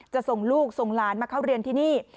ส่งลูกส่งหลานมาเข้าเรียนที่นี่